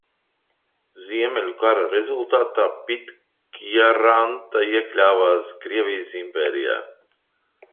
Ziemeļu kara rezultātā Pitkjaranta iekļāvās Krievijas impērijā.